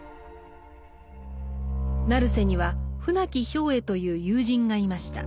成瀬には船木兵衛という友人がいました。